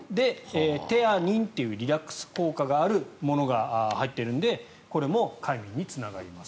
テアニンというリラックス効果があるものが入っているのでこれも快眠につながりますと。